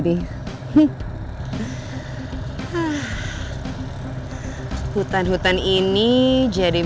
membuat aku pengadil